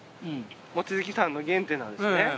望月さんの原点なんですね。